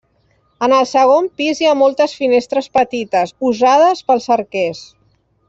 En el segon pis hi ha moltes finestres petites, usades pels arquers.